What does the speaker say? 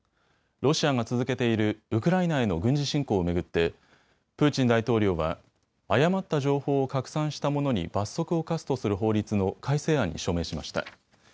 ロシアが続けているウクライナへの軍事侵攻を巡ってプーチン大統領は誤った情報を拡散した者に罰則を科すとする法律の改正案に署名しました。